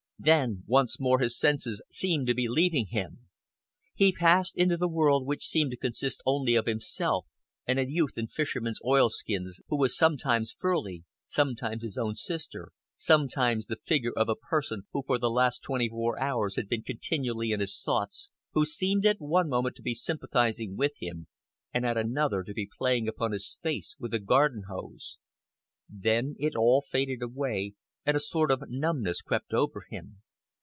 Then once more his senses seemed to be leaving him. He passed into the world which seemed to consist only of himself and a youth in fisherman's oilskins, who was sometimes Furley, sometimes his own sister, sometimes the figure of a person who for the last twenty four hours had been continually in his thoughts, who seemed at one moment to be sympathising with him and at another to be playing upon his face with a garden hose. Then it all faded away, and a sort of numbness crept over him.